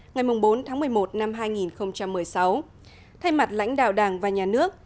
ngày bốn tháng một mươi một năm hai nghìn một mươi sáu thay mặt lãnh đạo đảng và nhà nước